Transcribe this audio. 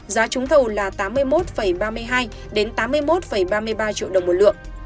giá trúng thầu là tám mươi một ba mươi hai đến tám mươi một ba mươi ba triệu đồng một lượng